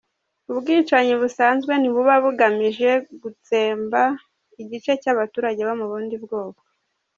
Ubwicanyi busanzwe ntibuba bugamije gutsemba igice cy’abaturage bo mu bundi bwoko.